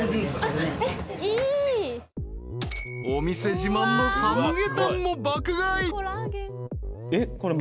［お店自慢のサムゲタンも爆買い］